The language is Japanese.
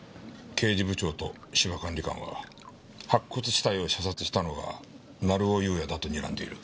刑事部長と芝管理官は白骨死体を射殺したのは成尾優也だとにらんでいる。